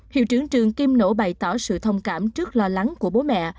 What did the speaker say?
hiệu trưởng trường kim nỗ bày tỏ sự thông cảm trước lo lắng của bố mẹ